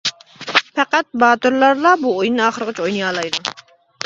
پەقەت باتۇرلارلا بۇ ئويۇننى ئاخىرىغىچە ئوينىيالايدۇ.